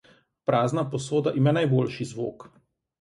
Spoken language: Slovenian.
Prazna posoda ima najboljši zvok.